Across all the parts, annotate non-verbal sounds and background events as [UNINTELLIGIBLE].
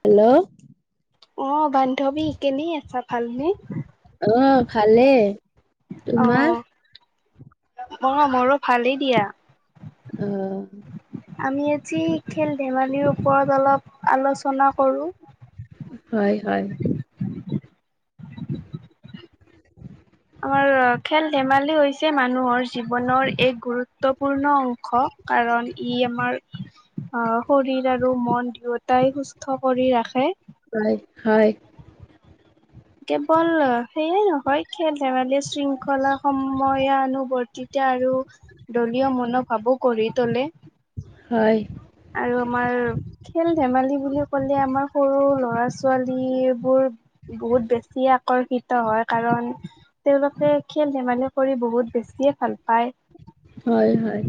Hello অ বান্ধৱী কেনেই আছা ভালনে অহ খালে আহ ম মোৰো ভালেই দিয়া অ আমি আজি খেল ধেমালিৰ ওপৰত অলপ আলোচনা কৰো হয় হয়। আমাৰ খেল ধেমালি হৈছে মানুহৰ জীৱনৰ এক গুৰু ত্বপূৰ্ণ অংশ কাৰণ ই আমাৰ অহ শৰীৰ আৰু মন দুয়োটাই সুস্থ কৰি ৰাখে হয় হয় কেৱল সেইয়াই নহয় খেল ধেমালি শৃংখলা সময়ানুৱৰ্তিতা আৰু দলীয় মনোভাৱো গঢ়ি তোলে হয় আৰু আমাৰ খেল ধেমালি বুলি কলে আমাৰ সৰু ল'ৰা ছোৱালীবোৰ বহুত বেছি আকৰ্ষিত হয় কাৰণ তেওঁলোকে খেল ধেমালি কৰি বহুত বেছিয়ে ভাল পায় হয় হয়।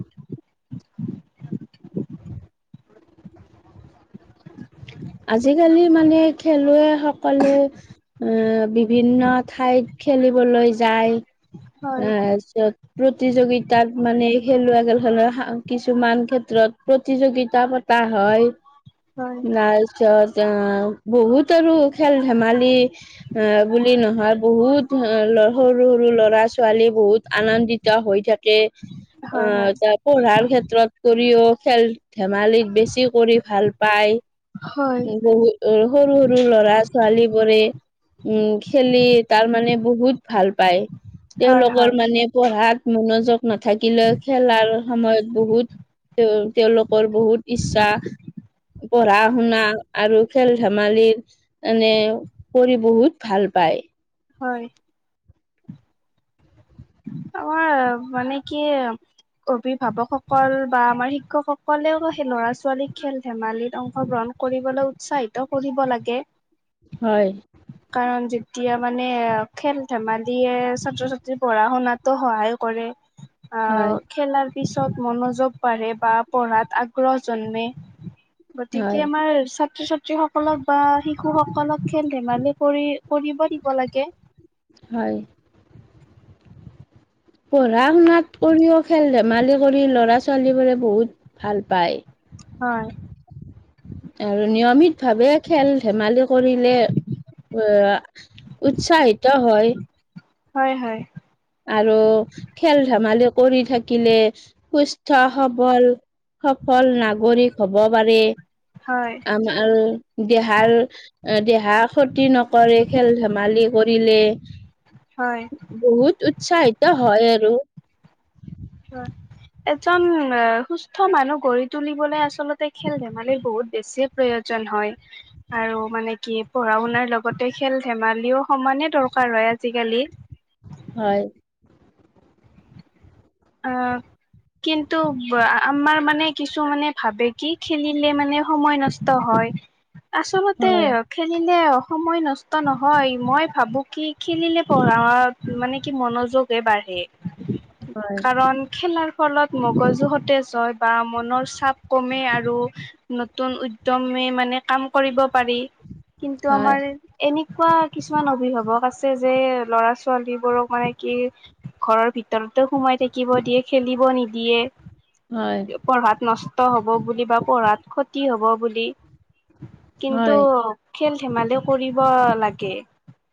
উ আজিকালি মানে খেলুৱৈ সকলে এ বিভিন্ন ঠাইত খেল খেলিবলৈ যায় এ হয় তাছত প্ৰতিযোগিতাত মানে খেলব গ'লে ধৰ কিছুমান ক্ষেত্ৰত প্ৰতিযোগিতা পতা হয় হয়। লাষ্টত যাওঁ বহুত আৰু খেল ধেমালি এ বুলি নহয় বহুত সৰু সৰু ল'ৰা ছোৱালী বহুত আনন্দিত হৈ থাকে। হয় হয় আহ পঢ়াৰ ক্ষেত্ৰত কৰিও খেল ধেমালিত বেছি কৰি ভাল পায়। হয় সৰু সৰু ল'ৰা ছোৱালীবোৰে উম খেলি তাৰ মানে বহুত ভাল পায়। হয় হয় তেওঁলোকৰ মানে পঢ়াত মনোযোগ নাথাকিলেও খেলাৰ সময়ত বহুত তেওঁ তেওঁলোকৰ বহুত ইচ্ছা পঢ়া শুনা আৰু খেল ধেমালি মানে কৰি বহুত ভাল পায়। হয়। আমাৰ মানে কি অভিভাৱকসকল বা আমাৰ শিক্ষকসকলেও সেই ল'ৰা-ছোৱালী খেল ধেমালিত অংশগ্ৰহণ কৰিবলৈ উৎসাহিত কৰিব লাগে। হয় কাৰণ যেতিয়া মানে খেল ধেমালিয়ে ছাত্ৰ ছাত্ৰী পঢ়া-শুনাতো সহায় কৰে আহ হয় খেলাৰ পিছত মনোযোগ বাঢ়ে বা পঢ়াত আগ্ৰহ জন্মে- হয় গতিকে আমাৰ ছাত্ৰ ছাত্ৰী সকলক বা শিশু সকলক খেল-ধেমালি কৰি কৰিব দিব লাগে। হয় পঢ়া-শুনাত কৰিও খেল ধেমালি কৰি ল'ৰা-ছোৱালী বোৰে বহুত ভাল পায়। হয়। আৰু নিয়মিত ভাৱে খেল-ধেমালি কৰিলে উ উৎসাহিত হয়। হয় হয়। আৰু খেল ধেমালি কৰি থাকিলে সুস্থ সবল সফল নাগৰিক হব পাৰে। হয় আম আৰু দেহাৰ দেহা ক্ষতি নকৰে খেল ধেমালি কৰি। কৰিলে হয় বহুত উৎসাহিত হয় আৰু হয়। এজন সুস্থ মানুহ গঢ়ি তুলিবলৈ আচলতে খেল ধেমালি বহুত বেছি প্ৰয়োজন। যিজন হয় আৰু মানে কি পঢ়া শুনাৰ লগতে খেল ধেমালিও সমানে দৰকাৰ হয়। আজিকালি হয়। অহ কিন্তু আমাৰ মানে কিছু মানে ভাবে কি খেলিলে মানে সময় নষ্ট হয়। হয় আচলতে হয় খেলিলে সময় নষ্ট নহয়। মই ভাবোঁ কি খেলিলে পঢ়া মানে কি মনোযোগ হে বাঢ়ে। এই হয় কাৰণ খেলাৰ ফলত মগজুতে জয় বা মনৰ চাপ কমে আৰু নতুন উদ্যমে মানে কাম কৰিব পাৰি কিন্তু হয় আমাৰ এনে এনেকুৱা কিছুমান অভিভাৱক আছে যে ল'ৰা ছোৱালী বোৰক মানে কি ঘৰৰ ভিতৰতো সোমাই থাকিব দিয়ে খেলিব নিদিয়ে হয় পঢ়াত নষ্ট হব বুলি বা পঢ়াত ক্ষতি হব বুলি কিন্তু হয় খেল ধেমালি কৰিব লাগে।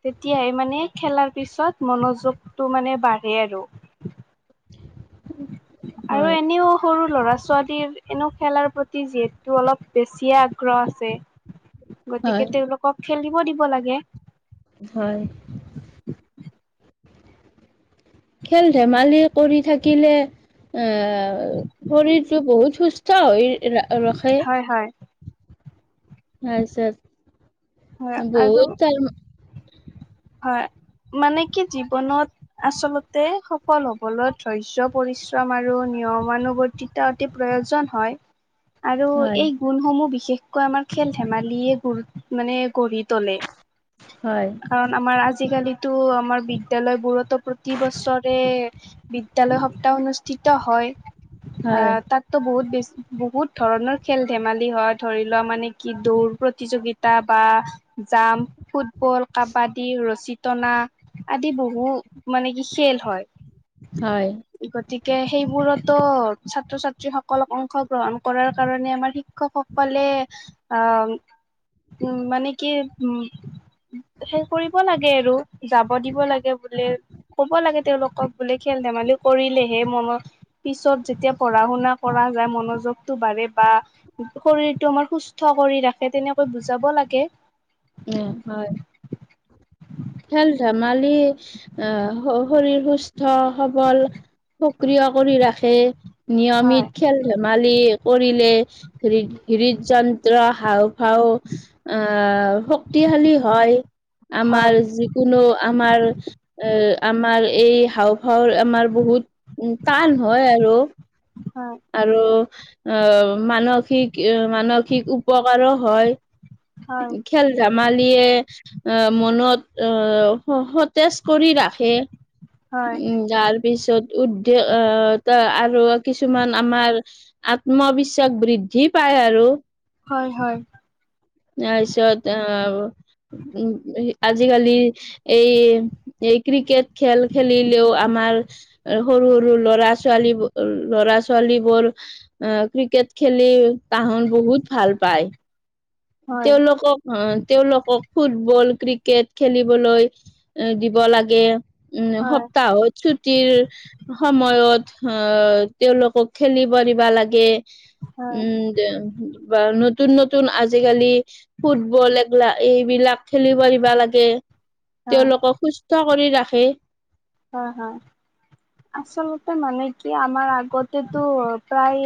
তেতিয়াই মানে খেলাৰ পিছত মনোযোগটো মানে বাঢ়ে আৰু আৰু হয় এনেও সৰু ল'ৰা-ছোৱালীৰ এনেও খেলাৰ প্ৰতি যিহেতু অলপ বেছিয়ে আগ্ৰহ আছে হয় গতিকে তেওঁলোকক খেলিব দিব লাগে। হয়। খেল ধেমালি কৰি থাকিলে- এ শৰীৰটো বহুত সুস্থ হৈ ৰাখে। হয় হয় তাছত হয় আৰু বহুত হয় মানে কি জীৱনত আচলতে সফল হবলৈ ধৰ্য পৰিশ্ৰম আৰু নিয়মানুৱৰ্তিতা অতি প্ৰয়োজন হয় আৰু হয় এই গুণসমূহ বিশেষ বিশেষকৈ আমাৰ খেল ধেমালিয়ে গ মানে গঢ়ি তোলে হয় কাৰণ আমাৰ আজিকালিতো আমাৰ বিদ্যালয়বোৰতো প্ৰতি বছৰে বিদ্যালয় সপ্তাহ অনুষ্ঠিত হয় আ হয় তাত ত বহুত বেছি বহুত ধৰণৰ খেল ধেমালি হয় ধৰি লোৱা মানে কি দৌৰ প্ৰতিযোগিতা বা যাম ফুটবল কাবাডী ৰচী টনা আদি বহু মানে কি খেল হয় হয় গতিকে সেইবোৰত ছাত্ৰ ছাত্ৰীসকলক অংশ গ্ৰহণ কৰাৰ কাৰণে আমাৰ শিক্ষকসকলে অ উম মানে কি উম সে কৰিব লাগে আৰু যাব দিব লাগে বোলে কব লাগে তেওঁলোকক বোলে খেল ধেমালি কৰিলেহে মমাক পিছত যেতিয়া পঢ়া -শুনা কৰা যায় মনোযোগটো বাঢ়ে বা শৰীৰটো আমাৰ সুস্থ কৰি ৰাখে তেনেকৈ বুজাব লাগে উম হয় খেল ধেমালি অ শৰীৰ সুস্থ সবল সক্ৰিয় কৰি ৰাখে হয় নিয়মিত খেল ধেমালি কৰিলে হৃদ হৃদযন্ত্ৰ, হাওঁফাওঁ আ শক্তিশালী হয়, হয় আমাৰ যিকোনো আমাৰ এ আমা আমাৰ এই হাওঁফাওঁৰ আমাৰ বহুত টান হয় আৰু হয় আৰু আ মানসিক মানসিক উপকাৰো হয়। হয় খেল ধেমালিয়ে অ মনত অ সতেজ কৰি ৰাখে হয় উম তাৰ পিছত উদ আ আৰু কিছু মান আমাৰ আত্মবিশ্বাস বৃদ্ধি পায় আৰু। হয় হয় তাৰপিছত আ উম আজিকালি এই এই ক্ৰিকেট খেল খেলিলেও আমাৰ সৰু সৰু ল'ৰা ছোৱালী ল'ৰা -ছোৱালীবোৰ আ ক্ৰিকেট খেলি তাহন বহুত ভাল পায়। হয় তেওঁলোকক তেওঁলোকক ফুটবল ক্ৰিকেট খেলিবলৈ দিব লাগে উম হয় সপ্তাহত ছুটিৰ সময়ত অ তেওঁলোকক খেলিব দিবা লাগে। হয় উম বা নতুন নতুন আজি আজিকালি ফুটবল এগলা এই বিলাক খেলিব দিবা লাগে। হয় তেওঁলোকক সুস্থ কৰি ৰাখে। হয় হয় আচলতে মানে কি আমাৰ আগতেতো প্ৰায়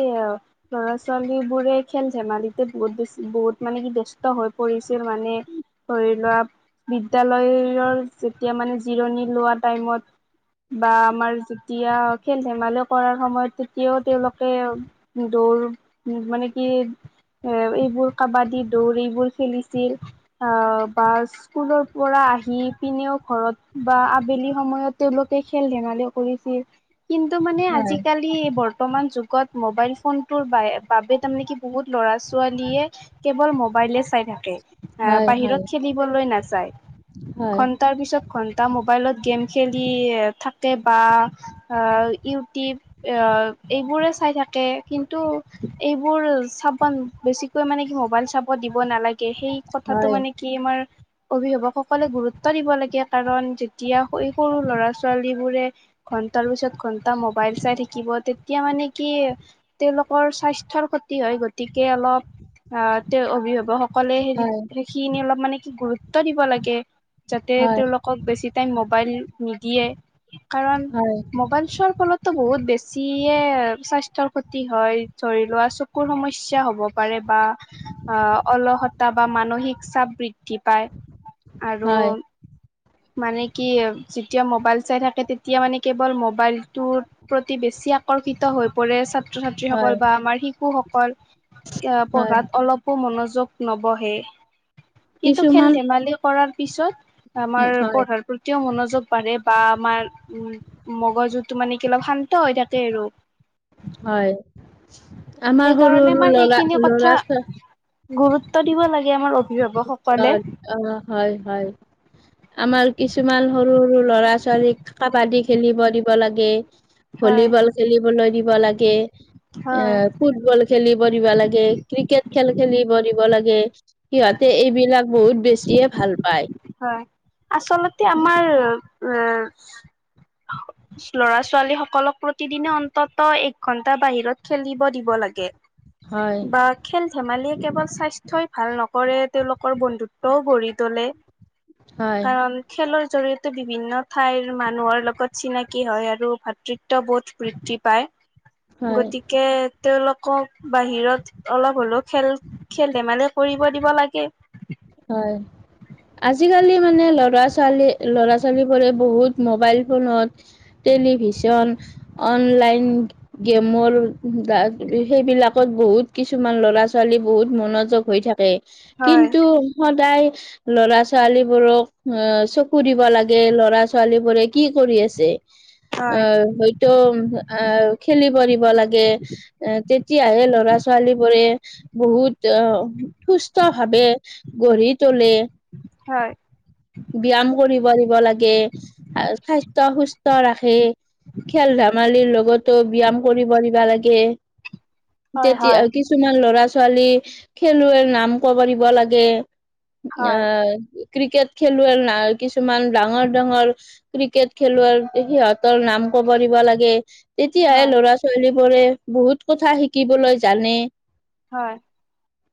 ল'ৰা -ছোৱালী বোৰে খেল ধেমালিতে বহুত বেছি বহুত মানে কি ব্যস্ত হৈ পৰিছে মানে ধৰি লোৱা বিদ্যালয়ৰ যেতিয়া মানে জিৰণি লোৱা টাইমত বা আমাৰ যেতিয়া খেল ধেমালি কৰাৰ সময়ত তেতিয়াও তেওঁলোকে দৌৰ মানে কি এ এইবোৰ কাবাডী দৌৰ এইবোৰ খেলিছিল অ বা স্কুলৰ পৰা আহি পিনেও ঘৰত বা আবেলি সময়ত তেওঁলোকে খেল ধেমালি কৰিছিল কিন্তু মানে আজিকালি বৰ বৰ্তমান যুগত মোবাইল ফোন ৰ বাবে তাৰমানে কি বহুত ল'ৰা ছোৱালীয়ে কেৱল মবাইলে থাকে আ হয় বাহিৰত হয় খেলিবলৈ নাযায় হয় ঘন্টাৰ পিছত ঘন্টা মোবাইলত গেম খেলি থাকে বা ইউটিউব এইবোৰে চাই থাকে। কিন্তু এইবোৰ চাব বেছিকৈ মানে কি মোবাইল চাব দিব নালাগে। সেই কথাটো হয় মানে কি আমাৰ অভিভাৱকসকলে গুৰুত্ব দিব লাগে। কাৰণ যেতিয়া সৰু সৰু ল'ৰা-ছোৱালী বোৰে ঘন্টাৰ পিছত ঘন্টা মোবাইল চাই থাকিব তেতিয়া মানে কি এ তেওঁলোকৰ স্বাস্থ্যৰ ক্ষতি হয়। গতিকে অলপ আহ তেওঁ অভিভাৱকসকলে হে হয় সেইখিনি অলপ মানে কি গুৰুত্ব দিব লাগে। যাতে হয় তেওঁলোকক বেছি টাইম ম মবাইল নিদিয়ে কাৰণ হয় মোবাইল চোৱাৰ ফলতো বহুত বেছি যিয়ে স্বাস্থ্যৰ ক্ষতি হয় ধৰি লোৱা চকুৰ সমস্যা হব পাৰে। বা আহ, অলহতা বা মানসিক চাপ বৃদ্ধি পায়। আৰু হয় মানে কি যেতিয়া মোবাইল চাই থাকে, তেতিয়া মানে কেৱল মোবাইলটোত প্ৰতি বেছি আকৰ্ষিত হৈ পৰে ছাত্ৰ ছাত্ৰীসকল হয় বা আমাৰ শিশুসকল। অহ, হয় পঢ়াত অলপো মনোযোগ নবহে। কিন্তু খেল কিছুমান ধেমালি কৰাৰ পিছত আমাৰ হয় পঢ়াৰ প্ৰতি কেতিয়াও মনোযোগ বাঢ়ে বা আমাৰ উ মগজুটো মানে কি অলপ শান্ত হৈ থাকে আৰু হয়, আমাৰ সেইকাৰণে সৰু-সৰু আমাৰ লৰা সেইখিনি কথা ল'ৰা ছোৱালী গুৰুত্ব দিব লাগে। আমাৰ অভিভাৱকসকলে অ হয় হয়। আমাৰ কিছুমান সৰু-সৰু ল'ৰা ছোৱালীক কাবাডী খেলিব দিব লাগে। হয় ভলীবল খেলিবলৈ দিব লাগে, এ হয় ফুটবল খেলি ব দিব লাগে। ক্ৰিকেট খেল - খেলি বঢ়িব লাগে। সিহতে এইবিলাক বহুত বেছিয়ে ভাল। পায়। হয় আচলতে আমাৰ উম ল'ৰা-ছোৱালী সকলক প্ৰতিদিনে অন্তত এক ঘন্টা বাহিৰত খেলিব দিব লাগে। হয়, বা খেল ধেমালি কেৱল স্বাস্থ্য ভাল নকৰে তেওলোকৰ বন্ধুত্বও গঢ়ি তোলে। হয়, কাৰণ খেলৰ জৰি়য়তে বিভিন্ন ঠাইৰ মানুহৰ লগত চিনাকী হয়, আৰু ভাতৃত্ব বোধ বৃদ্ধি পায়। হয়, গতিকে তেওঁলোকক বাহিৰত অলপ হলেও খেল - খেল ধেমালি কৰিব দিব লাগে। হয়। আজিকালি মানে ল'ৰা-ছোৱালী ল'ৰা ছোৱালীবোৰে বহুত মোবাইল ফোনত টেলিভিশন অনলাইন গেমৰ সেইবিলাকত বহুত বহুত কিছুমান ল'ৰা-ছোৱালী বহুত মনোযোগ হৈ থাকে হয় কিন্তু সদায় লৰা-ছোৱালীবোৰক চকু দিব লাগে। লৰা-ছোৱালী বোৰে কি কৰি কৰি আছে। [UNINTELLIGIBLE] অ, হয়তো আহ খেলি পৰিব লাগে এ তেতিয়াহে ল'ৰা-ছোৱালী ছোৱালীবোৰে বহুত অহ সুস্থ ভাৱে গঢ়ি তোলে হয়। ব্যায়াম কৰিব দিব লাগে, স্বাস্থ্য সুস্থ ৰাখে। খেল ধেমালীৰ তো ব্যায়াম কৰিব লিবা লাগে হয় তেতিয়া হয় কিছুমান ল'ৰা ছোৱালী ছোৱালী খেলুৱৈৰ নাম কব দিব লাগে অ হয় ক্ৰিকেট খেলুৱৈৰ না কিছুমান ডাঙৰ-ডাঙৰ ক্ৰিকেট খেলুৱৈৰ সিহঁতৰ নাম কাম ক লাগে তেতিয়াহে হয় ল'ৰা ছোৱালী বোৰে বহুত কথা শিকিবলৈ জানে। হয়,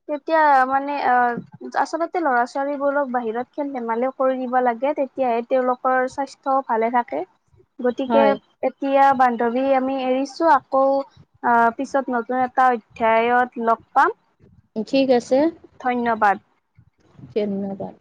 তেতিয়া মানে অ, আচলতে ল'ৰা ছোৱালীবোৰক বাহিৰত খেল ধেমালি কৰি দিব লাগে তেতিয়াহে তেওলোকৰ স্বাস্থ্য ভালে থাকে গতিকে হয় এতিয়া বান্ধৱী আমি এৰিছো আকৌ আহ পিছত নতুন টা অধ্যায়ত লগ পাম। ঠিক আছে। ধন্যবাদ জন্নদাৰ